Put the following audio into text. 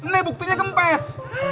nih buktinya kempes